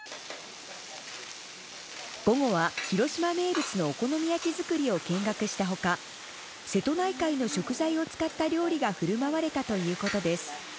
午後は、広島名物のお好み焼き作りを見学したほか、瀬戸内海の食材を使った料理がふるまわれたということです。